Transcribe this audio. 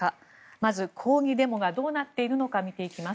まず抗議デモがどうなっているのか見ていきます。